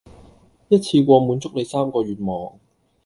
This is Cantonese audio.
一次過滿足你三個願望